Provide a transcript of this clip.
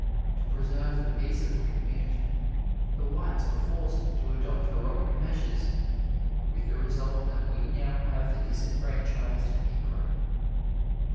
To preserve the peace of the community, the whites were forced to adopt heroic measures, with the result that we now have the disenfranchised Negro.